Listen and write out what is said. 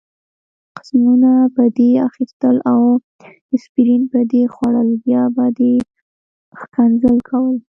قسمونه به دې اخیستل او اسپرین به دې خوړل، بیا به دې ښکنځل کول.